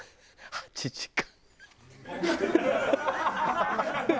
８時間？